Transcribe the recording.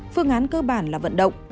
phương án cơ bản là vận động